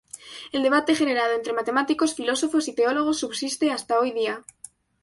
El debate generado entre matemáticos, filósofos y teólogos subsiste hasta hoy día.